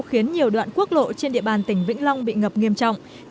khiến nhiều đoạn quốc lộ trên địa bàn tỉnh vĩnh long bị ngập nghiêm trọng